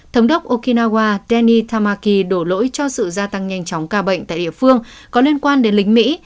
thống đốc okinawa deni tamaki đổ lỗi cho sự gia tăng nhanh chóng ca bệnh tại địa phương có liên quan đến lính mỹ